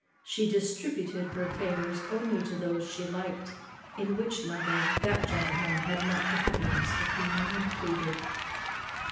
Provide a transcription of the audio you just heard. She distributed her favours only to those she liked, in which number that gentleman had not the happiness of being included.